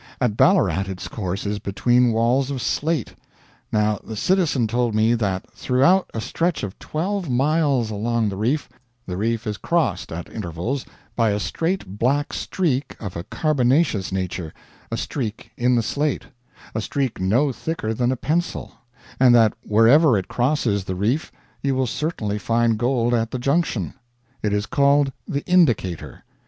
At Ballarat its course is between walls of slate. Now the citizen told me that throughout a stretch of twelve miles along the reef, the reef is crossed at intervals by a straight black streak of a carbonaceous nature a streak in the slate; a streak no thicker than a pencil and that wherever it crosses the reef you will certainly find gold at the junction. It is called the Indicator.